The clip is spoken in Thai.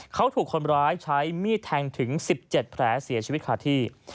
เขาถูกคนร้ายใช้มีดแทงถึง๑๗แผลเสียชีวิตขาดที่